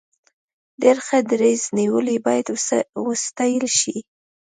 ډیر ښه دریځ نیولی باید وستایل شي.